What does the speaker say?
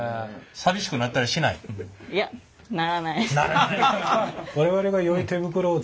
寂しくなったりしない？ならない。